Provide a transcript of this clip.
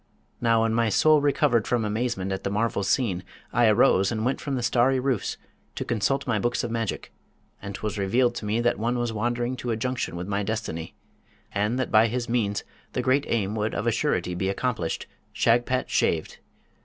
Now when my soul recovered from amazement at the marvels seen, I arose and went from the starry roofs to consult my books of magic, and 'twas revealed to me that one was wandering to a junction with my destiny, and that by his means the great aim would of a surety be accomplished Shagpat Shaved!